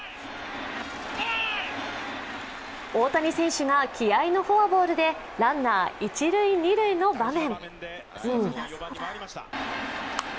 大谷選手が気合いのフォアボールでランナー一塁・二塁の場面。